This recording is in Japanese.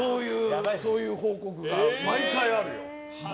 そういう報告が毎回あるよ。